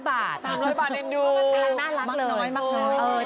๓๐๐บาทเด็นดูมากเลยน่ารักเลย